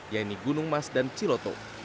yaitu gunung mas dan ciloto